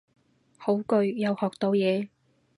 好句，又學到嘢